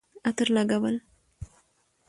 عطر لګول